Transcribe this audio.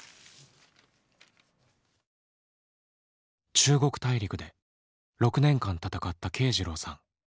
中国大陸で６年間戦った慶次郎さん。